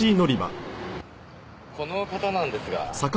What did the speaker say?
この方なんですが。